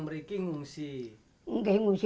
mereka itu diungsi